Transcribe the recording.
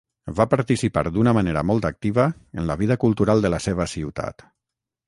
Va participar d'una manera molt activa en la vida cultural de la seva ciutat.